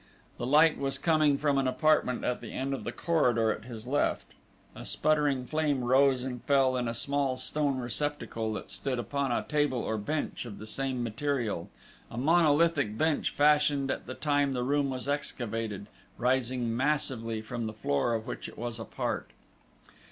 The light was coming from an apartment at the end of the corridor at his left. A sputtering flame rose and fell in a small stone receptacle that stood upon a table or bench of the same material, a monolithic bench fashioned at the time the room was excavated, rising massively from the floor, of which it was a part.